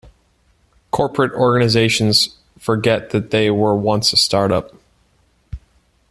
Corporate organizations forget that they were once a startup.